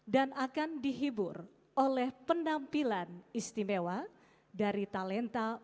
jangan lupa melihat playlist terima kasih box